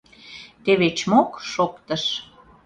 Теве чмок шоктыш.